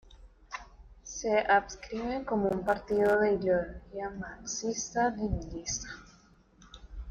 Se adscribe como un partido de ideología marxista-leninista.